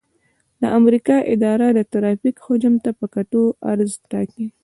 د امریکا اداره د ترافیک حجم ته په کتو عرض ټاکي